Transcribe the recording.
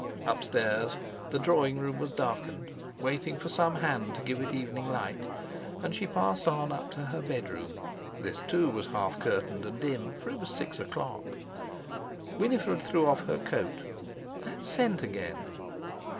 Upstairs the drawing room was darkened, waiting for some hand to give it evening light; and she passed on up to her bedroom. This, too, was half curtained and dim, for it was six o'clock. Winifred threw off her coat—that scent again!